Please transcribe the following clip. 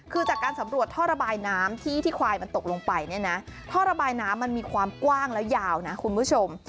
คือจากการสำรวจท่อระบายน้ำที่ที่ควายมันตกลงไปเนี่ยนะท่อระบายน้ำมันมีความกว้างและยาวนะคุณผู้ชม